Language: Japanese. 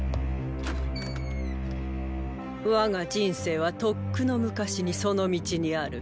我が人生はとっくの昔にその道にある。